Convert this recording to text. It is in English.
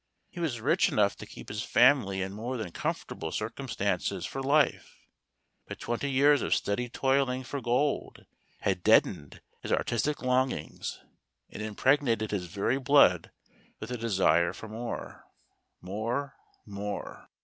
He was rich enough to keep his family in more than comfortable circum¬ stances for life, but twenty years of steady toiling for gold had deadened his artistic longings, and im¬ pregnated his very blood with the desire for more— more—more.